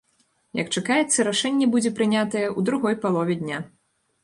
Як чакаецца, рашэнне будзе прынятае ў другой палове дня.